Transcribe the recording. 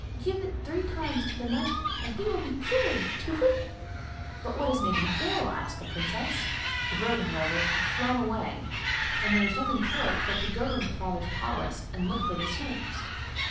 Give it three times to the knight and he will be cured. Tu whit!' 'But what has made him ill?' asked the princess. The bird, however, had flown away, and there was nothing for it but to go to her father's palace and look for the snakes.